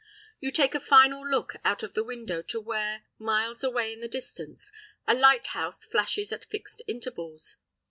You take a final look out of the window to where, miles away in the distance, a lighthouse flashes at fixed intervals.